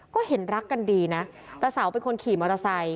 ก็เห็นรักกันดีนะตาเสาเป็นคนขี่มอเตอร์ไซค